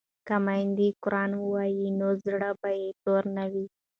که میندې قران ووايي نو زړه به تور نه وي.